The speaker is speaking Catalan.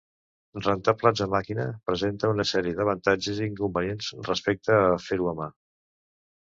Rentar plats a màquina presenta una sèrie d'avantatges i inconvenients respecte a fer-ho a mà.